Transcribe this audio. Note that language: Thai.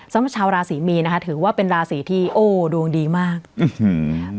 สำหรับชาวราศีมีนนะคะถือว่าเป็นราศีที่โอ้ดวงดีมากอื้อหือ